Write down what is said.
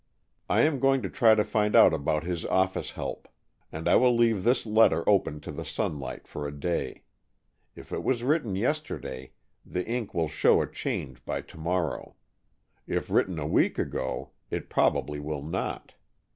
I am going to try to find out about his office help. And I will leave this letter open to the sunlight for a day. If it was written yesterday, the ink will show a change by to morrow. If written a week ago, it probably will not.